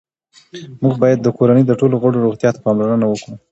موږ باید د کورنۍ د ټولو غړو روغتیا ته پاملرنه وکړو